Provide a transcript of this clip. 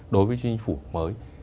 đối với chính phủ mới